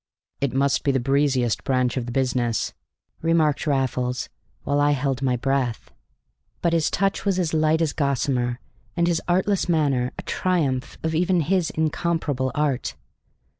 "It must be the breeziest branch of the business," remarked Raffles, while I held my breath. But his touch was as light as gossamer, and his artless manner a triumph of even his incomparable art.